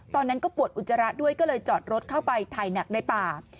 ตอนนั้นก็ปวดอุจจาระด้วยก็เลยจอดรถเข้าไปถ่ายหนักในป่า